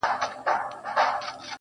لکه چي مخکي وې هغسي خو جانانه نه يې.